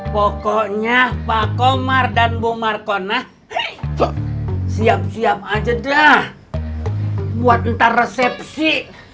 pokoknya pak komar dan bu markona siap siap aja dah buat entah resepsi